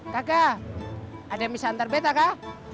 kakak ada yang bisa antar bet kak